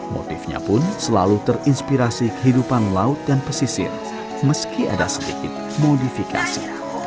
motifnya pun selalu terinspirasi kehidupan laut dan pesisir meski ada sedikit modifikasi